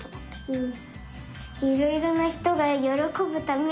うん。